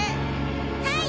はい。